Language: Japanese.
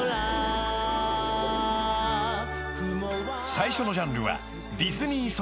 ［最初のジャンルは］